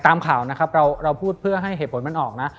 ตามข่าวนะครับเราพูดเพื่อให้เหตุผลมันออกนะ